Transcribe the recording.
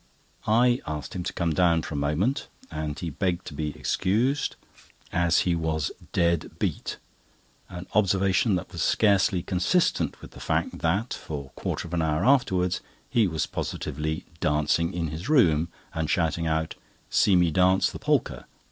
I asked him to come down for a moment, and he begged to be excused, as he was "dead beat," an observation that was scarcely consistent with the fact that, for a quarter of an hour afterwards, he was positively dancing in his room, and shouting out, "See me dance the polka!"